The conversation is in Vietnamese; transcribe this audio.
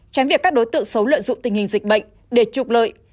tránh việc các đối tượng xấu lợi dụng tình hình dịch bệnh để trục lợi